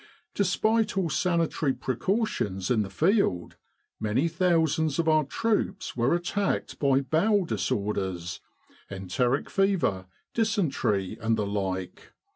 Despite all sanitary precautions in the Field, many thousands of our troops were attacked by bowel disorders enteric fever, dysentery, and the like.